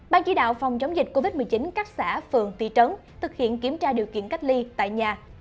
ban chỉ đạo phòng chống dịch covid một mươi chín các xã phường thị trấn thực hiện kiểm tra điều kiện cách ly tại nhà